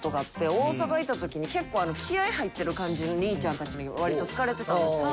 大阪いた時に結構気合入ってる感じの兄ちゃんたちに割と好かれてたんですよ。